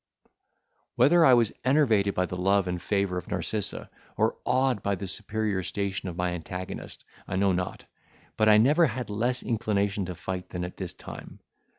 Whether I was enervated by the love and favour of Narcissa, or awed by the superior station of my antagonist, I know not, but I never had less inclination to fight than at this time.